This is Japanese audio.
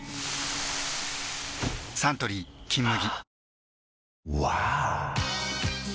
サントリー「金麦」